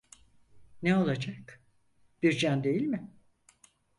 Ne olacak? Bir can değil mi?